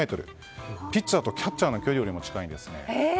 ピッチャーとキャッチャーの距離よりも近いんですね。